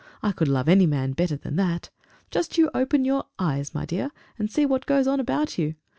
I could love any man better than that! Just you open your eyes, my dear, and see what goes on about you.